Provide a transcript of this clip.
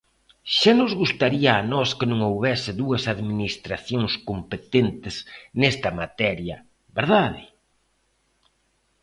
¡Xa nos gustaría a nós que non houbese dúas administracións competentes nesta materia!, ¿verdade?